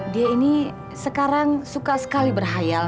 dia ini sekarang suka sekali berhayal